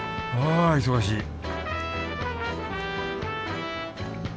あ忙しい